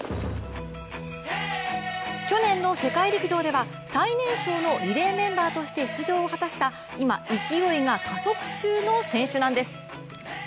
去年の世界陸上では最年少のリレーメンバーとして出場を果たした今勢いが加速中の選手なんです。